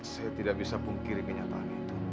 saya tidak bisa pungkiri kenyataan itu